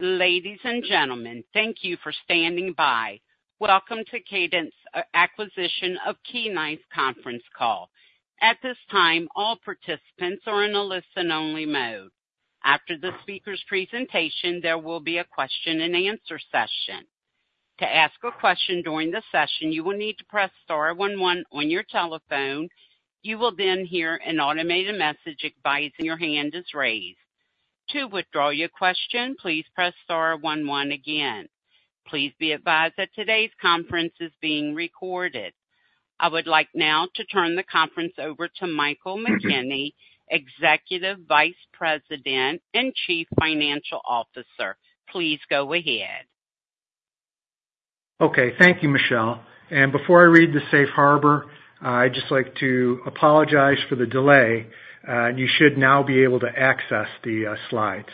Ladies and gentlemen, thank you for standing by. Welcome to Kadant's acquisition of Key Knife conference call. At this time, all participants are in a listen-only mode. After the speaker's presentation, there will be a question-and-answer session. To ask a question during the session, you will need to press star one one on your telephone. You will then hear an automated message advising your hand is raised. To withdraw your question, please press star one one again. Please be advised that today's conference is being recorded. I would like now to turn the conference over to Michael McKenney, Executive Vice President and Chief Financial Officer. Please go ahead. Okay. Thank you, Michelle. Before I read the Safe Harbor, I'd just like to apologize for the delay. You should now be able to access the slides.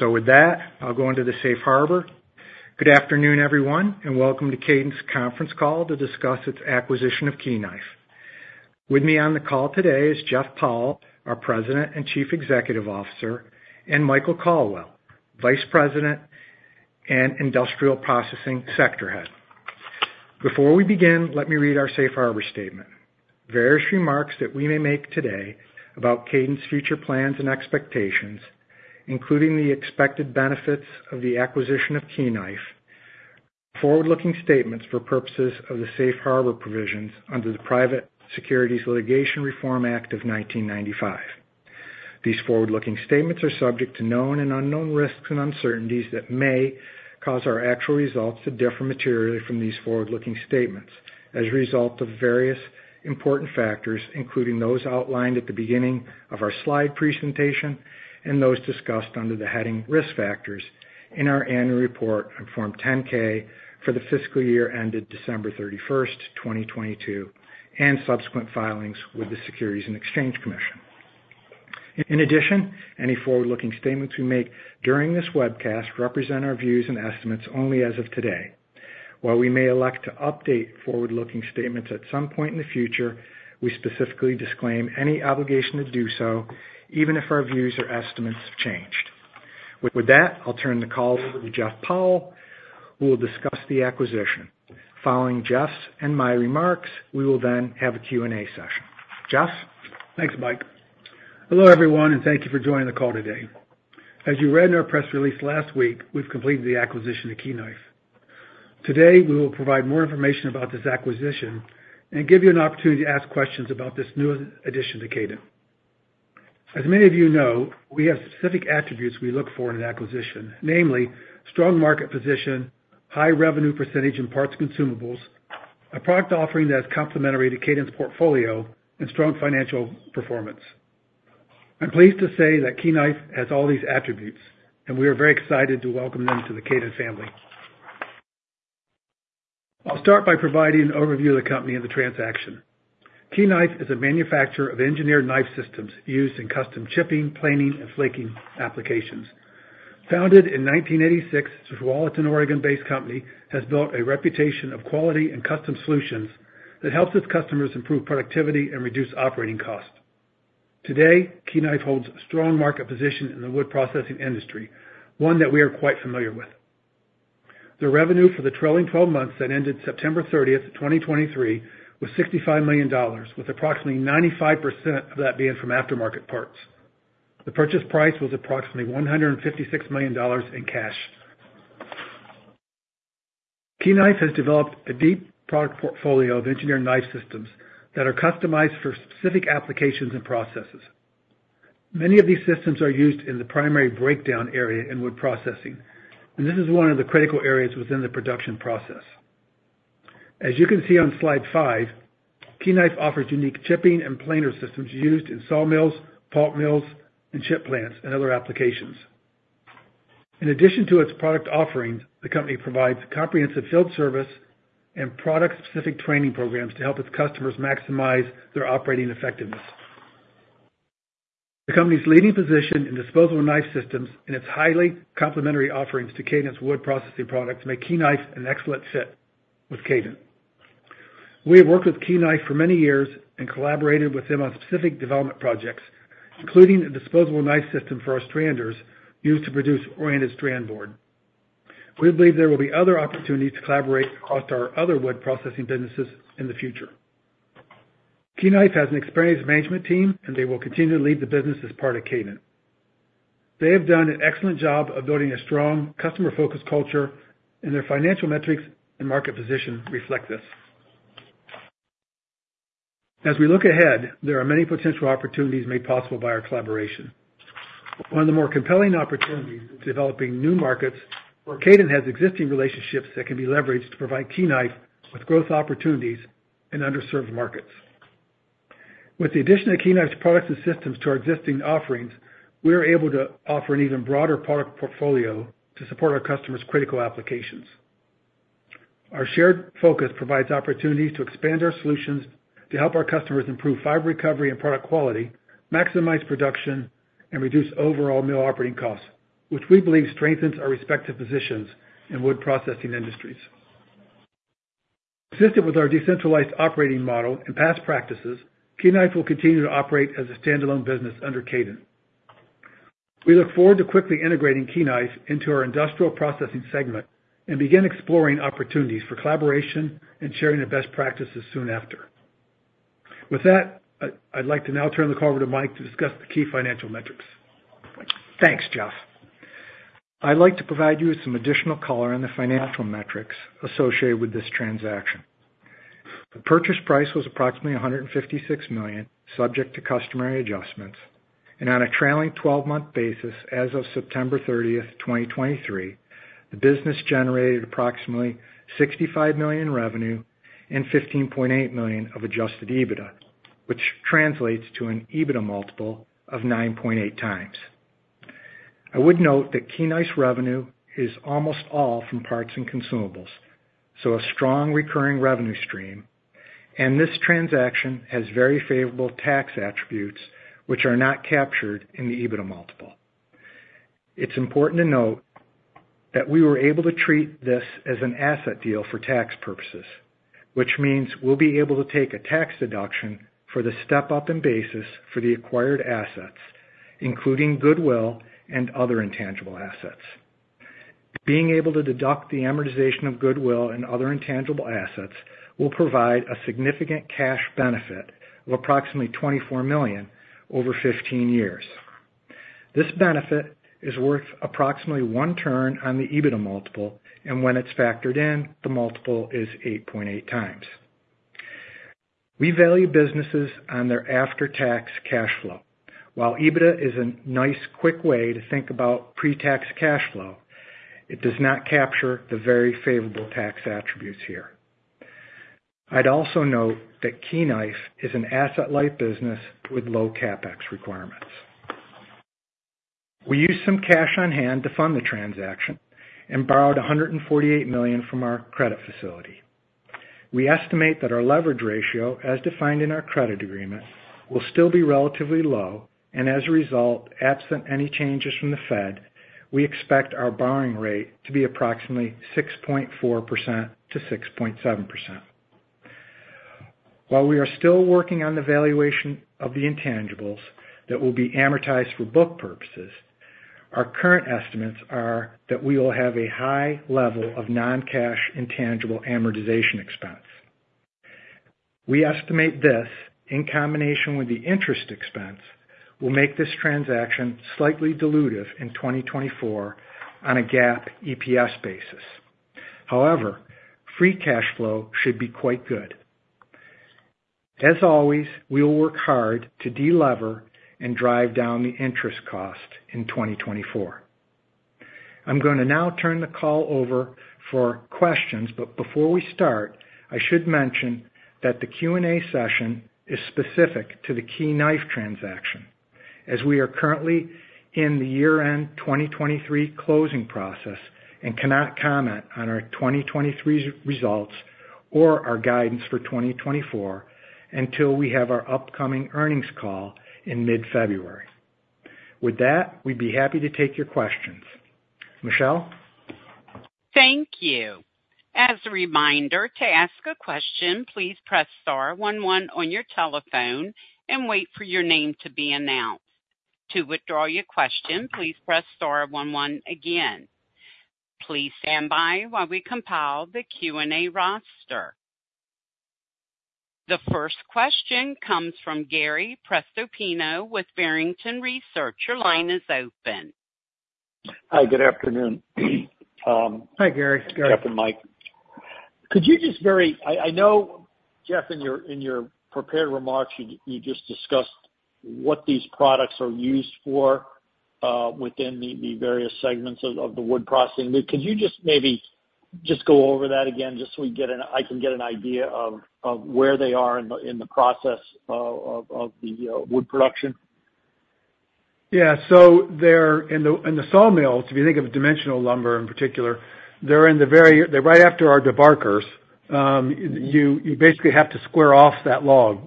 With that, I'll go into the Safe Harbor. Good afternoon, everyone, and welcome to Kadant's conference call to discuss its acquisition of Key Knife. With me on the call today is Jeff Powell, our President and Chief Executive Officer, and Michael Colwell, Vice President and Industrial Processing Sector Head. Before we begin, let me read our Safe Harbor statement. Various remarks that we may make today about Kadant's future plans and expectations, including the expected benefits of the acquisition of Key Knife, forward-looking statements for purposes of the Safe Harbor provisions under the Private Securities Litigation Reform Act of 1995. These forward-looking statements are subject to known and unknown risks and uncertainties that may cause our actual results to differ materially from these forward-looking statements as a result of various important factors, including those outlined at the beginning of our slide presentation and those discussed under the heading Risk Factors in our annual report on Form 10-K for the fiscal year ended December 31, 2022, and subsequent filings with the Securities and Exchange Commission. In addition, any forward-looking statements we make during this webcast represent our views and estimates only as of today. While we may elect to update forward-looking statements at some point in the future, we specifically disclaim any obligation to do so, even if our views or estimates have changed. With that, I'll turn the call over to Jeff Powell, who will discuss the acquisition. Following Jeff's and my remarks, we will then have a Q&A session. Jeff? Thanks, Mike. Hello, everyone, and thank you for joining the call today. As you read in our press release last week, we've completed the acquisition of Key Knife. Today, we will provide more information about this acquisition and give you an opportunity to ask questions about this new addition to Kadant. As many of you know, we have specific attributes we look for in an acquisition, namely strong market position, high revenue percentage in parts consumables, a product offering that is complementary to Kadant's portfolio, and strong financial performance. I'm pleased to say that Key Knife has all these attributes, and we are very excited to welcome them to the Kadant family. I'll start by providing an overview of the company and the transaction. Key Knife is a manufacturer of engineered knife systems used in custom chipping, planing, and flaking applications. Founded in 1986, this Tualatin, Oregon-based company, has built a reputation of quality and custom solutions that helps its customers improve productivity and reduce operating costs. Today, Key Knife holds a strong market position in the wood processing industry, one that we are quite familiar with. The revenue for the trailing twelve months that ended September 30th, 2023, was $65 million, with approximately 95% of that being from aftermarket parts. The purchase price was approximately $156 million in cash. Key Knife has developed a deep product portfolio of engineered knife systems that are customized for specific applications and processes. Many of these systems are used in the primary breakdown area in wood processing, and this is one of the critical areas within the production process. As you can see on slide five, Key Knife offers unique chipping and planer systems used in sawmills, pulp mills, and chip plants, and other applications. In addition to its product offerings, the company provides comprehensive field service and product-specific training programs to help its customers maximize their operating effectiveness. The company's leading position in disposable knife systems and its highly complementary offerings to Kadant's wood processing products make Key Knife an excellent fit with Kadant. We have worked with Key Knife for many years and collaborated with them on specific development projects, including a disposable knife system for our stranders used to produce oriented strand board. We believe there will be other opportunities to collaborate across our other wood processing businesses in the future. Key Knife has an experienced management team, and they will continue to lead the business as part of Kadant. They have done an excellent job of building a strong customer-focused culture, and their financial metrics and market position reflect this. As we look ahead, there are many potential opportunities made possible by our collaboration. One of the more compelling opportunities is developing new markets where Kadant has existing relationships that can be leveraged to provide Key Knife with growth opportunities in underserved markets. With the addition of Key Knife's products and systems to our existing offerings, we are able to offer an even broader product portfolio to support our customers' critical applications. Our shared focus provides opportunities to expand our solutions to help our customers improve fiber recovery and product quality, maximize production, and reduce overall mill operating costs, which we believe strengthens our respective positions in wood processing industries. Consistent with our decentralized operating model and past practices, Key Knife will continue to operate as a standalone business under Kadant. We look forward to quickly integrating Key Knife into our industrial processing segment and begin exploring opportunities for collaboration and sharing the best practices soon after. With that, I'd like to now turn the call over to Mike to discuss the key financial metrics. Thanks, Jeff. I'd like to provide you with some additional color on the financial metrics associated with this transaction. The purchase price was approximately $156 million, subject to customary adjustments, and on a trailing twelve-month basis, as of September thirtieth, 2023, the business generated approximately $65 million revenue and $15.8 million of Adjusted EBITDA, which translates to an EBITDA multiple of 9.8x. I would note that Key Knife revenue is almost all from parts and consumables, so a strong recurring revenue stream, and this transaction has very favorable tax attributes, which are not captured in the EBITDA multiple. It's important to note that we were able to treat this as an asset deal for tax purposes, which means we'll be able to take a tax deduction for the step-up in basis for the acquired assets, including goodwill and other intangible assets. Being able to deduct the amortization of goodwill and other intangible assets will provide a significant cash benefit of approximately $24 million over 15 years. This benefit is worth approximately one turn on the EBITDA multiple, and when it's factored in, the multiple is 8.8x. We value businesses on their after-tax cash flow. While EBITDA is a nice, quick way to think about pre-tax cash flow, it does not capture the very favorable tax attributes here. I'd also note that Key Knife is an asset-light business with low CapEx requirements. We used some cash on hand to fund the transaction and borrowed $148 million from our credit facility. We estimate that our leverage ratio, as defined in our credit agreement, will still be relatively low, and as a result, absent any changes from the Fed, we expect our borrowing rate to be approximately 6.4%-6.7%. While we are still working on the valuation of the intangibles that will be amortized for book purposes, our current estimates are that we will have a high level of non-cash intangible amortization expense. We estimate this, in combination with the interest expense, will make this transaction slightly dilutive in 2024 on a GAAP EPS basis. However, free cash flow should be quite good. As always, we will work hard to delever and drive down the interest cost in 2024. I'm going to now turn the call over for questions, but before we start, I should mention that the Q&A session is specific to the Key Knife transaction, as we are currently in the year-end 2023 closing process and cannot comment on our 2023 results or our guidance for 2024 until we have our upcoming earnings call in mid-February. With that, we'd be happy to take your questions. Michelle? Thank you. As a reminder, to ask a question, please press star one one on your telephone and wait for your name to be announced. To withdraw your question, please press star one one again. Please stand by while we compile the Q&A roster. The first question comes from Gary Prestopino with Barrington Research. Your line is open. Hi, good afternoon. Hi, Gary. Jeff and Mike, could you just—I know, Jeff, in your prepared remarks, you just discussed what these products are used for within the various segments of the wood processing. Could you just maybe just go over that again, just so I can get an idea of where they are in the process of the wood production? Yeah. So they're in the sawmills, if you think of dimensional lumber in particular, they're in the very... They're right after our debarkers. You basically have to square off that log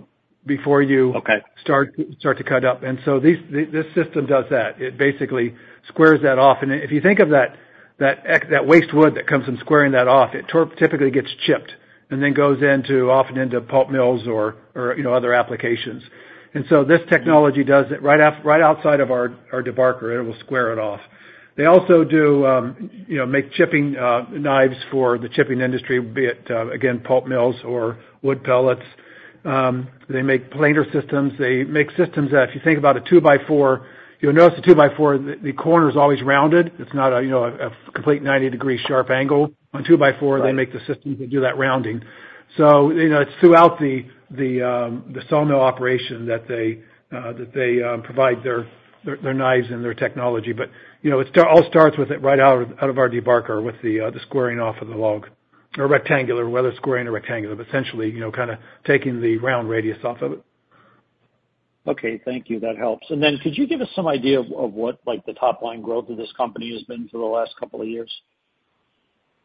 before you- Okay. Start to cut up. And so these, the, this system does that. It basically squares that off. And if you think of that, that waste wood that comes from squaring that off, it typically gets chipped and then goes into, often into pulp mills or, you know, other applications. And so this technology does it right outside of our debarker, and it will square it off. They also do, you know, make chipping knives for the chipping industry, be it, again, pulp mills or wood pellets. They make planer systems. They make systems that, if you think about a two-by-four, you'll notice the two-by-four, the corner is always rounded. It's not a, you know, a complete ninety-degree sharp angle. On two-by-four- Right. they make the systems that do that rounding. So, you know, it's throughout the sawmill operation that they provide their knives and their technology. But, you know, it all starts with it right out of our debarker with the squaring off of the log, or rectangular, whether squaring or rectangular, but essentially, you know, kind of taking the round radius off of it. Okay. Thank you. That helps. Then could you give us some idea of, of what, like, the top-line growth of this company has been for the last couple of years?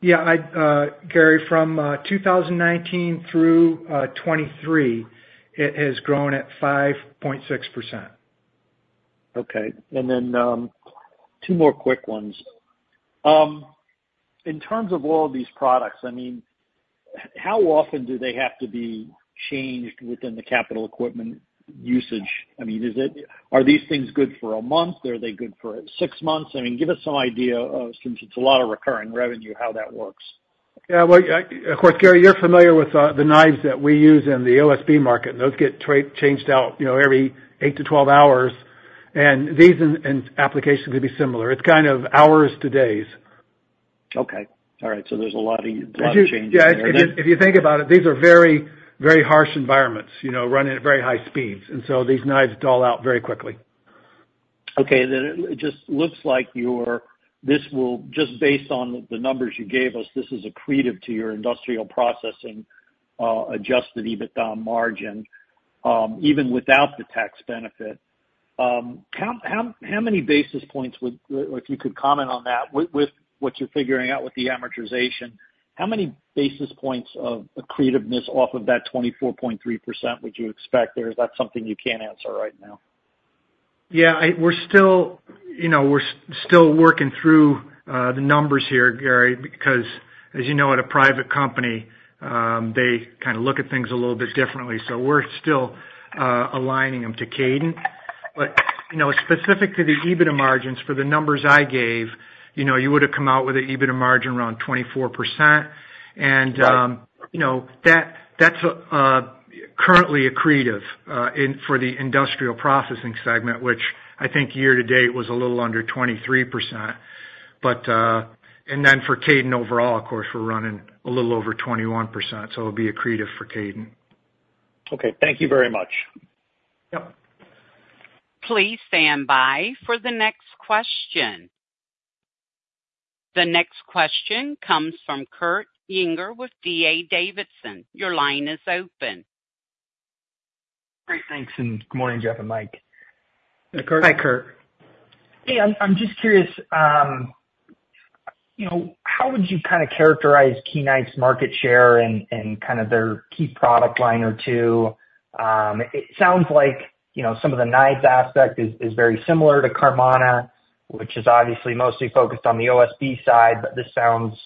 Yeah, I, Gary, from 2019 through 2023, it has grown at 5.6%. Okay, and then, two more quick ones. In terms of all of these products, I mean, how often do they have to be changed within the capital equipment usage? I mean, are these things good for a month, or are they good for six months? I mean, give us some idea of, since it's a lot of recurring revenue, how that works. Yeah, well, of course, Gary, you're familiar with the knives that we use in the OSB market, and those get changed out, you know, every eight-12 hours, and these in application would be similar. It's kind of hours to days. Okay. All right, so there's a lot of, lot of changes there- Yeah, and if you think about it, these are very, very harsh environments, you know, running at very high speeds, and so these knives dull out very quickly. Okay, then it just looks like your—this will, just based on the numbers you gave us, this is accretive to your industrial processing Adjusted EBITDA margin, even without the tax benefit. How many basis points would... If you could comment on that, with what you're figuring out with the amortization, how many basis points of accretiveness off of that 24.3% would you expect there? Is that something you can't answer right now? Yeah, we're still, you know, we're still working through the numbers here, Gary, because, as you know, at a private company, they kind of look at things a little bit differently. So we're still aligning them to Kadant. But, you know, specific to the EBITDA margins for the numbers I gave, you know, you would've come out with an EBITDA margin around 24%. Right. You know, that's currently accretive in for the industrial processing segment, which I think year to date was a little under 23%. But and then for Kadant overall, of course, we're running a little over 21%, so it'll be accretive for Kadant. Okay. Thank you very much. Yep. Please stand by for the next question. The next question comes from Kurt Yinger with D.A. Davidson. Your line is open. Great. Thanks, and good morning, Jeff and Mike. Hey, Kurt. Hi, Kurt. Hey, I'm just curious, you know, how would you kind of characterize Key Knife's market share and kind of their key product line or two? It sounds like, you know, some of the knives aspect is very similar to Carmanah, which is obviously mostly focused on the OSB side, but this sounds,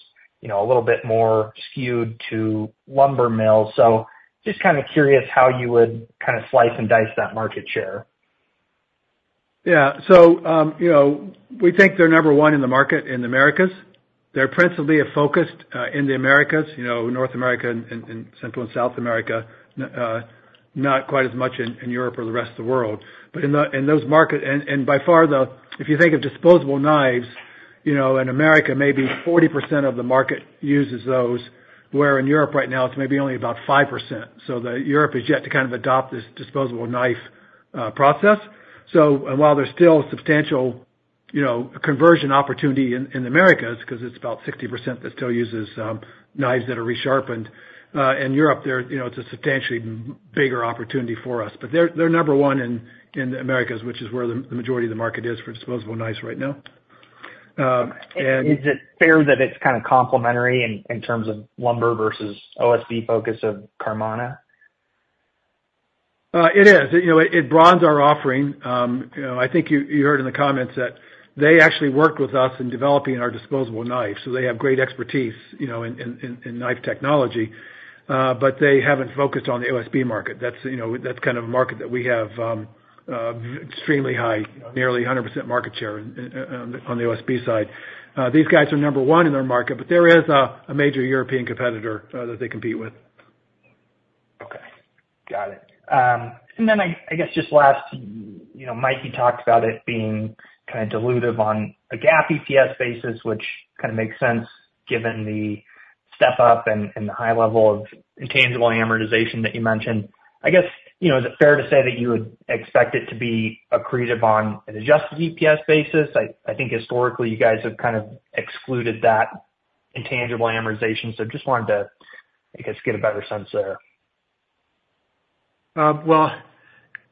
you know, a little bit more skewed to lumber mills. So just kind of curious how you would kind of slice and dice that market share. Yeah. So, you know, we think they're number one in the market in the Americas. They're principally focused in the Americas, you know, North America and Central and South America, not quite as much in Europe or the rest of the world. But in those markets, and by far, if you think of disposable knives, you know, in America, maybe 40% of the market uses those, where in Europe right now, it's maybe only about 5%. So Europe is yet to kind of adopt this disposable knife process. So while there's still substantial, you know, conversion opportunity in the Americas, 'cause it's about 60% that still uses knives that are resharpened in Europe there, you know, it's a substantially bigger opportunity for us. But they're number one in the Americas, which is where the majority of the market is for disposable knives right now. And- Is it fair that it's kind of complementary in terms of lumber versus OSB focus of Carmanah? It is. You know, it broadens our offering. You know, I think you heard in the comments that they actually worked with us in developing our disposable knives, so they have great expertise, you know, in knife technology, but they haven't focused on the OSB market. That's, you know, that's kind of a market that we have extremely high, nearly 100% market share in, on the OSB side. These guys are number one in their market, but there is a major European competitor that they compete with. Okay. Got it. And then I guess, just last, you know, Mikey talked about it being kind of dilutive on a GAAP EPS basis, which kind of makes sense given the step up and, and the high level of intangible amortization that you mentioned. I guess, you know, is it fair to say that you would expect it to be accretive on an adjusted EPS basis? I think historically, you guys have kind of excluded that intangible amortization, so just wanted to, I guess, get a better sense there. Well,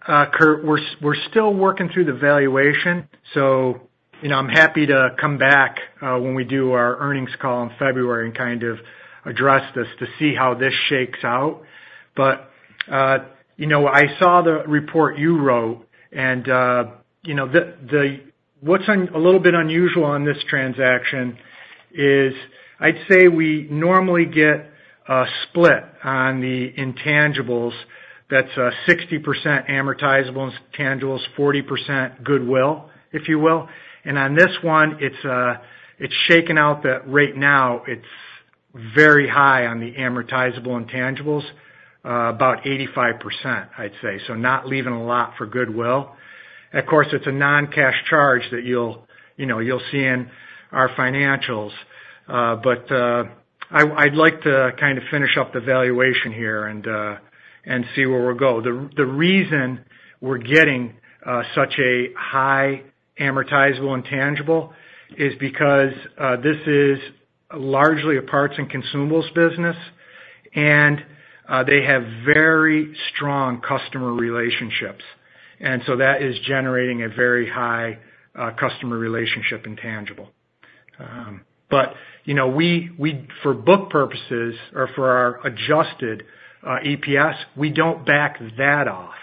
Kurt, we're still working through the valuation, so, you know, I'm happy to come back when we do our earnings call in February and kind of address this to see how this shakes out. But, you know, I saw the report you wrote, and, you know, what's a little bit unusual on this transaction is I'd say we normally get a split on the intangibles that's 60% amortizable intangibles, 40% goodwill, if you will. And on this one, it's shaken out that right now it's very high on the amortizable intangibles, about 85%, I'd say, so not leaving a lot for goodwill. Of course, it's a non-cash charge that you'll, you know, you'll see in our financials, but I'd like to kind of finish up the valuation here and see where we'll go. The reason we're getting such a high amortizable intangible is because this is largely a parts and consumables business, and they have very strong customer relationships, and so that is generating a very high customer relationship intangible. But, you know, we for book purposes or for our adjusted EPS, we don't back that off.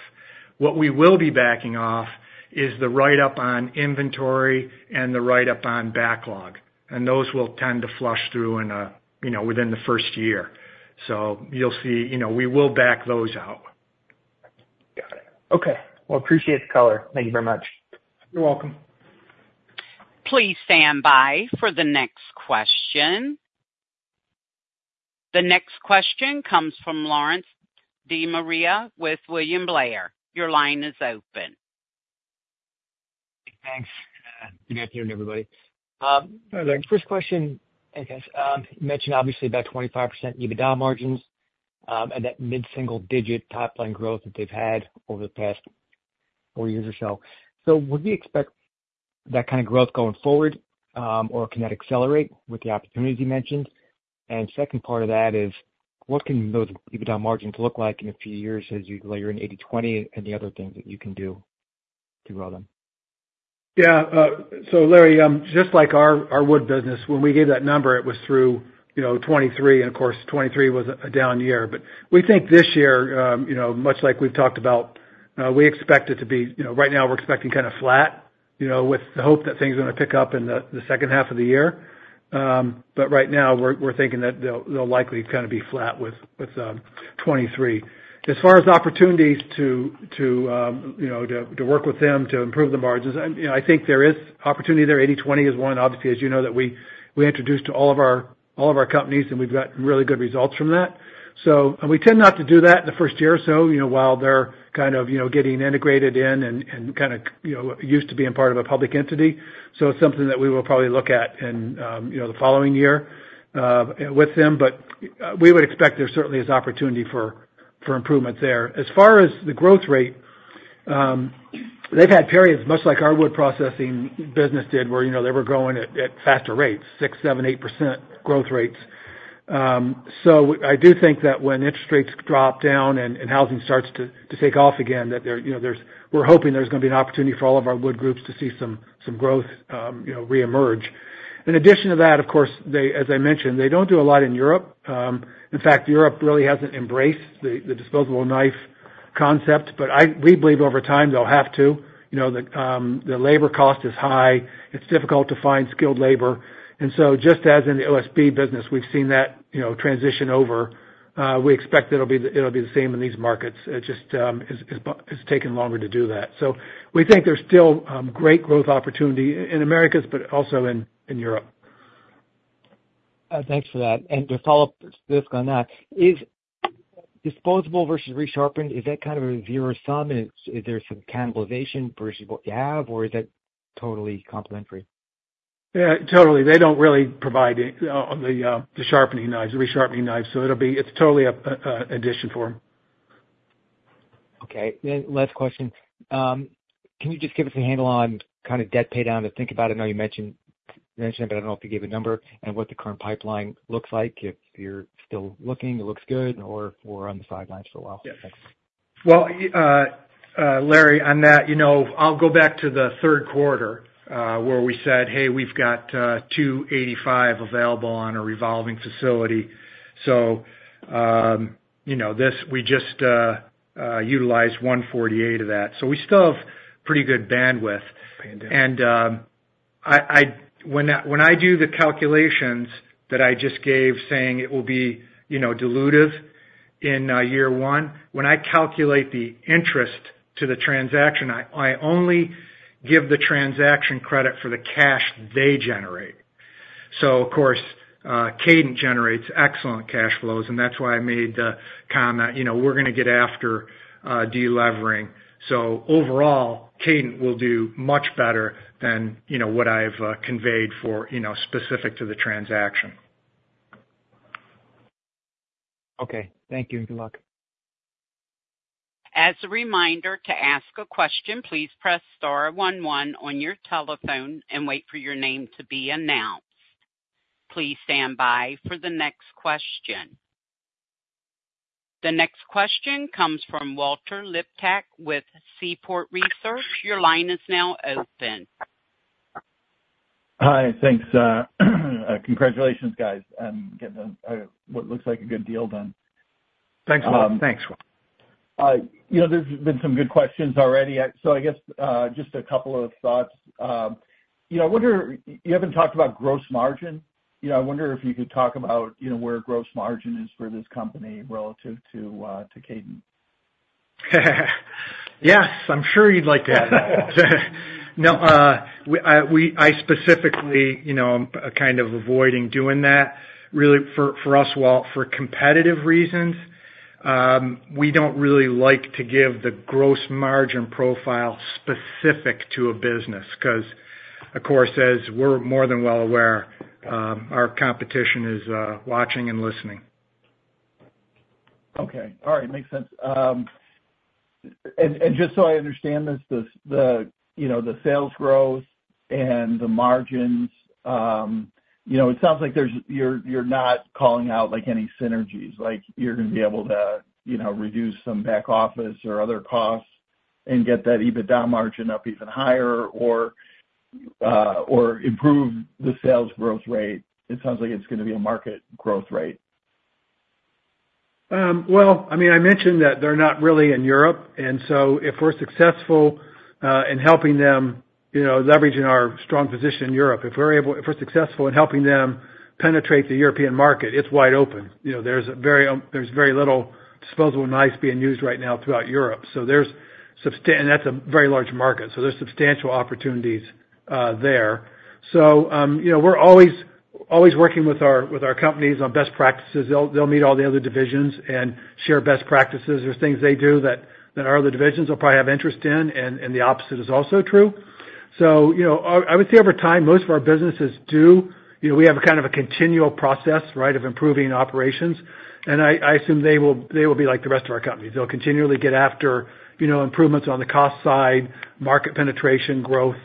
What we will be backing off is the write-up on inventory and the write-up on backlog, and those will tend to flush through, you know, within the first year. So you'll see, you know, we will back those out. Got it. Okay. Well, appreciate the color. Thank you very much. You're welcome. Please stand by for the next question. The next question comes from Lawrence De Maria with William Blair. Your line is open. Thanks, and good afternoon, everybody. First question, I guess, you mentioned obviously about 25% EBITDA margins, and that mid-single digit top-line growth that they've had over the past four years or so. So would we expect that kind of growth going forward, or can that accelerate with the opportunities you mentioned? And second part of that is: What can those EBITDA margins look like in a few years as you layer in 80/20 and the other things that you can do to grow them? Yeah. So Larry, just like our wood business, when we gave that number, it was through, you know, 2023, and of course, 2023 was a down year. But we think this year, you know, much like we've talked about, we expect it to be... You know, right now we're expecting kind of flat, you know, with the hope that things are gonna pick up in the second half of the year. But right now, we're thinking that they'll likely kind of be flat with 2023. As far as opportunities to, you know, to work with them to improve the margins, and, you know, I think there is opportunity there. 80/20 is one, obviously, as you know, that we, we introduced to all of our, all of our companies, and we've got really good results from that. So, and we tend not to do that in the first year or so, you know, while they're kind of, you know, getting integrated in and, and kind of, you know, used to being part of a public entity. So it's something that we will probably look at in, you know, the following year, with them. But, we would expect there certainly is opportunity for, for improvement there. As far as the growth rate, they've had periods, much like our wood processing business did, where, you know, they were growing at faster rates, 6%, 7%, 8% growth rates. So I do think that when interest rates drop down and housing starts to take off again, that there, you know, there's we're hoping there's gonna be an opportunity for all of our wood groups to see some growth, you know, reemerge. In addition to that, of course, they, as I mentioned, they don't do a lot in Europe. In fact, Europe really hasn't embraced the disposable knife concept, but we believe over time, they'll have to. You know, the labor cost is high. It's difficult to find skilled labor. And so just as in the OSB business, we've seen that, you know, transition over, we expect it'll be the same in these markets. It just has taken longer to do that. So we think there's still great growth opportunity in Americas, but also in Europe. Thanks for that. To follow up just on that, is disposable versus resharpened, is that kind of a zero-sum? Is there some cannibalization versus what you have, or is that totally complementary? Yeah, totally. They don't really provide the sharpening knives, the resharpening knives, so it'll be... It's totally a addition for them. Okay. Then last question: can you just give us a handle on kind of debt paydown to think about? I know you mentioned it, but I don't know if you gave a number, and what the current pipeline looks like, if you're still looking, it looks good, or if we're on the sidelines for a while? Yes. Thanks. Well, Larry, on that, you know, I'll go back to the third quarter, where we said, "Hey, we've got $285 available on a revolving facility." So, you know, this, we just utilized $148 of that, so we still have pretty good bandwidth. Bandwidth. When I do the calculations that I just gave, saying it will be, you know, dilutive in year one, when I calculate the interest to the transaction, I only give the transaction credit for the cash they generate. So of course, Kadant generates excellent cash flows, and that's why I made the comment, you know, we're gonna get after deleveraging. So overall, Kadant will do much better than, you know, what I've conveyed for, you know, specific to the transaction. Okay. Thank you. Good luck. As a reminder, to ask a question, please press star one one on your telephone and wait for your name to be announced. Please stand by for the next question. The next question comes from Walter Liptak with Seaport Research. Your line is now open. Hi. Thanks. Congratulations, guys, getting what looks like a good deal done. Thanks, Walt. Thanks, Walt. You know, there's been some good questions already. So I guess, just a couple of thoughts. You know, I wonder, you haven't talked about gross margin. You know, I wonder if you could talk about, you know, where gross margin is for this company relative to, to Kadant? Yes, I'm sure you'd like to have that. No, I specifically, you know, am kind of avoiding doing that really for us, Walt, for competitive reasons. We don't really like to give the gross margin profile specific to a business, 'cause of course, as we're more than well aware, our competition is watching and listening. Okay. All right. Makes sense. And just so I understand this, the you know, the sales growth and the margins, you know, it sounds like there's... You're not calling out, like, any synergies, like you're gonna be able to, you know, reduce some back office or other costs? And get that EBITDA margin up even higher or improve the sales growth rate? It sounds like it's gonna be a market growth rate. Well, I mean, I mentioned that they're not really in Europe, and so if we're successful in helping them, you know, leveraging our strong position in Europe, if we're successful in helping them penetrate the European market, it's wide open. You know, there's very little disposable knives being used right now throughout Europe, and that's a very large market, so there's substantial opportunities there. So, you know, we're always working with our companies on best practices. They'll meet all the other divisions and share best practices. There's things they do that our other divisions will probably have interest in, and the opposite is also true. So, you know, I would say over time, most of our businesses, you know, we have a kind of a continual process, right? Of improving operations, and I assume they will, they will be like the rest of our companies. They'll continually get after, you know, improvements on the cost side, market penetration, growth,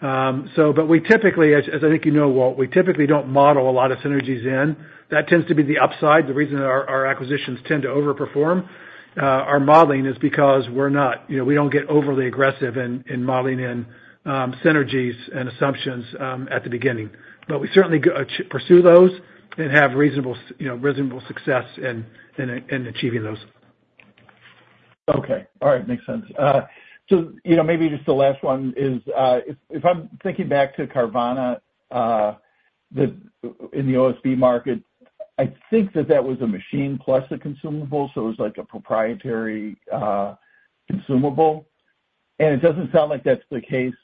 so but we typically, as I think you know, Walt, we typically don't model a lot of synergies in. That tends to be the upside, the reason that our, our acquisitions tend to overperform our modeling, is because we're not, you know, we don't get overly aggressive in modeling in synergies and assumptions at the beginning. But we certainly pursue those and have reasonable, you know, reasonable success in achieving those. Okay. All right. Makes sense. So, you know, maybe just the last one is, if I'm thinking back to Carmanah, in the OSB market, I think that that was a machine plus a consumable, so it was like a proprietary consumable, and it doesn't sound like that's the case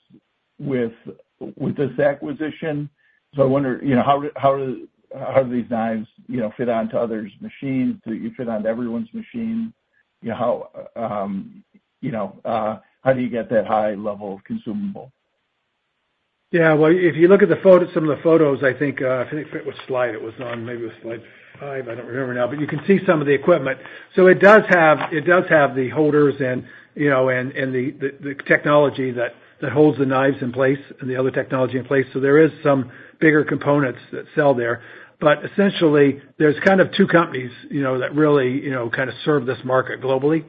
with this acquisition. So I wonder, you know, how do these knives, you know, fit onto others' machines? Do you fit onto everyone's machine? You know, how do you get that high level of consumable? Yeah, well, if you look at the photo, some of the photos, I think, I think it was slide it was on. Maybe it was slide five, I don't remember now, but you can see some of the equipment. So it does have, it does have the holders and, you know, and the technology that holds the knives in place and the other technology in place, so there is some bigger components that sell there. But essentially, there's kind of two companies, you know, that really, you know, kind of serve this market globally.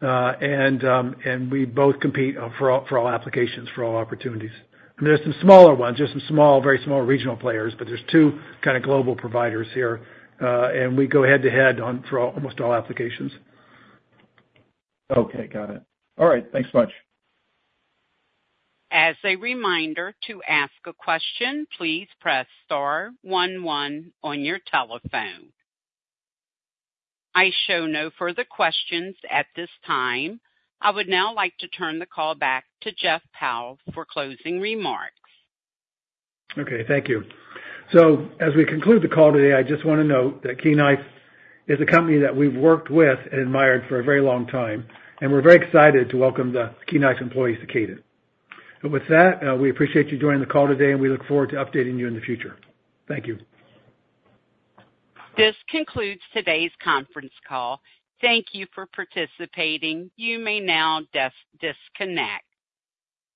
And we both compete for all applications, for all opportunities. There's some smaller ones. There's some small, very small regional players, but there's two kind of global providers here, and we go head-to-head on for almost all applications. Okay, got it. All right, thanks so much. As a reminder, to ask a question, please press star one, one on your telephone. I show no further questions at this time. I would now like to turn the call back to Jeff Powell for closing remarks. Okay, thank you. So, as we conclude the call today, I just want to note that Key Knife is a company that we've worked with and admired for a very long time, and we're very excited to welcome the Key Knife employees to Kadant. And with that, we appreciate you joining the call today, and we look forward to updating you in the future. Thank you. This concludes today's conference call. Thank you for participating. You may now disconnect.